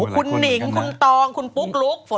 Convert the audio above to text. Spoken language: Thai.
คุณหนิงคุณตองคุณปุ๊กลุ๊ก